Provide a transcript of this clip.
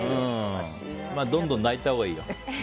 どんどん泣いたほうがいいよ。